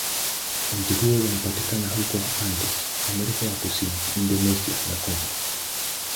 Mti huo unapatikana huko Andes, Amerika ya Kusini, Indonesia, na Kongo.